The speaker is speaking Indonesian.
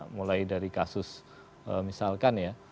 mulai dari kasus misalkan ya